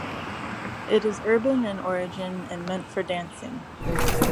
It is urban in origin, and meant for dancing.